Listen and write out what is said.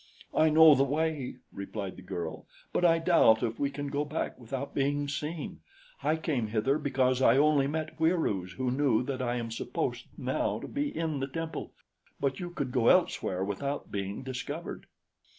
"I know the way," replied the girl; "but I doubt if we can go back without being seen. I came hither because I only met Wieroos who knew that I am supposed now to be in the temple; but you could go elsewhere without being discovered."